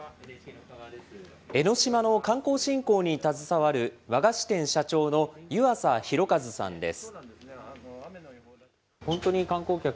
江の島の観光振興に携わる、和菓子店社長の湯浅裕一さんです。